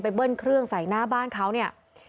เบิ้ลเครื่องใส่หน้าบ้านเขาเนี่ย